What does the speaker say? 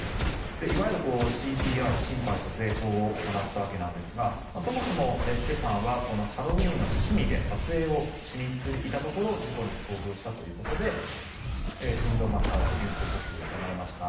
いわゆるＣＰＲ・心肺蘇生法を行ったわけですがそもそも、チェさんはハロウィーンの趣味で撮影をしに行っていたところ事故に遭遇したということで心臓マッサージ人工呼吸を行いました。